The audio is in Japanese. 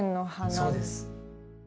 そうです。